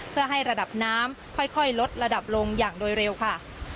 เพื่อให้ระดับน้ำค่อยลดระดับลงอย่างโดยเร็วค่ะ